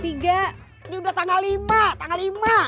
ini udah tanggal lima tanggal lima